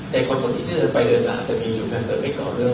ในคอนตนที่จะไปเรียนหรือาจจะไม่เห็นหรือไม่กล่อเรื่องอ่ะ